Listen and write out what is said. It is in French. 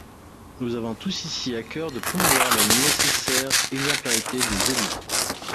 Nous avons tous ici à cœur de promouvoir la nécessaire exemplarité des élus.